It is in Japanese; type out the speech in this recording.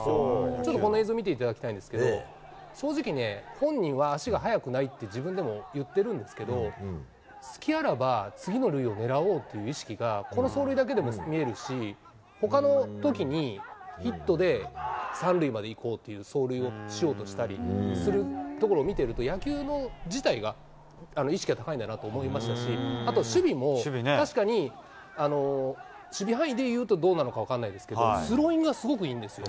ちょっとこの映像、見ていただきたいんですけれども、正直ね、本人は足が速くないって自分でも言ってるんですけど、隙あらば次の塁をねらおうという意識が、この走塁だけでも見えるし、ほかのときにヒットで３塁まで行こうっていう走塁をしようとしたりするところを見てると、野球自体が意識が高いんだなと思いましたし、あと、守備も、確かに、守備範囲でいうと、どうなのか分かんないですけど、スローイングがすごくいいんですよ。